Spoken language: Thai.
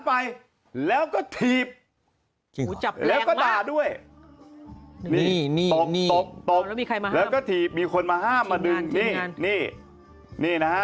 ไปแล้วก็ถีบเลยแล้วก็ด่าด้วยนี่ตบนี่แล้วก็ถีบมีคนมาห้ามมาดึงนี่นี่นะฮะ